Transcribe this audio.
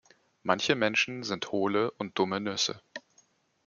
Manche Menschen sind hole und dumme Nüsse.